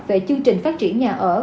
về chương trình phát triển nhà ở